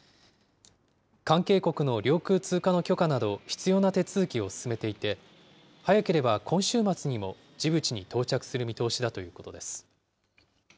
関係国の領空通過の許可など必要な手続きを進めていて、早ければ今週末にもジブチに到着する見通しだということです。